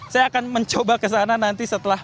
saya akan mencoba ke sana nanti setelah